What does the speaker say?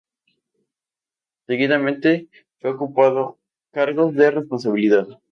Seguidamente fue ocupando cargos de responsabilidad.